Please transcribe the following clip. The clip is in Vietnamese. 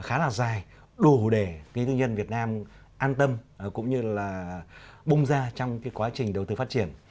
khá là dài đủ để kinh tế nhân việt nam an tâm cũng như là bông ra trong quá trình đầu tư phát triển